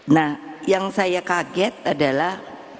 nah yang saya kaget adalah